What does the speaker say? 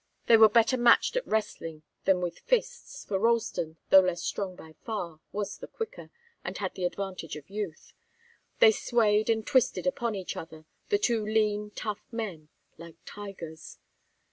They were better matched at wrestling than with fists, for Ralston, though less strong by far, was the quicker, and had the advantage of youth. They swayed and twisted upon each other, the two lean, tough men, like tigers.